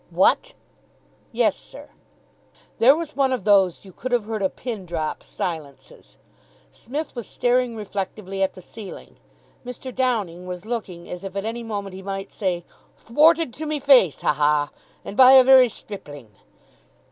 "What!" "Yes, sir." There was one of those you could have heard a pin drop silences. Psmith was staring reflectively at the ceiling. Mr. Downing was looking as if at any moment he might say, "Thwarted to me face, ha, ha! And by a very stripling!"